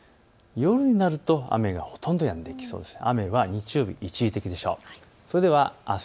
夜になると雨がほとんどやんできそうです。